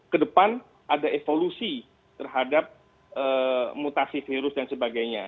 kedepan ada evolusi terhadap mutasi virus dan sebagainya